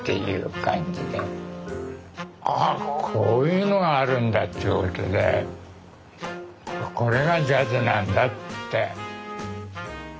ああこういうのがあるんだということであこれがジャズなんだって。